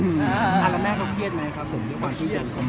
ลงนแล้วก็น่ารักดีครับ